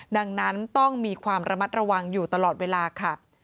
ดังนั้นต้องมีความระมัดระวังอยู่ตลอดเวลาค่ะ